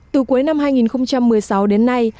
từ cuối năm hai nghìn một mươi sáu đến nay